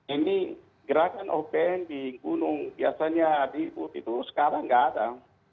ini gerakan opn di gunung biasanya diiput itu sekarang nggak ada